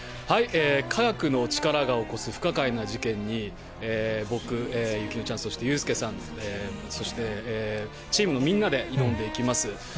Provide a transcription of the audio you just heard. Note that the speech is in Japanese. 科学の力が起こす不可解な事件に、僕、ゆきのちゃん、そしてユースケさん、そして、チームのみんなで挑んでいきます。